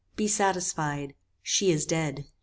Be satisfied. She is dead."